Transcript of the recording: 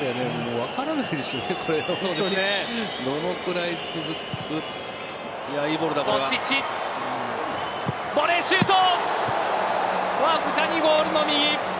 わずかにゴールの右。